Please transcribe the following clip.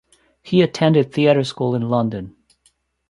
He attended theatre school in London.